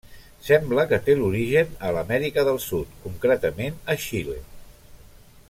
Sembla que té l'origen a l'Amèrica del Sud, concretament a Xile.